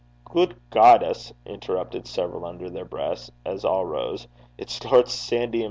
'Guid guide us!' interrupted several under their breaths, as all rose, 'it's Lord Sandy himsel'!'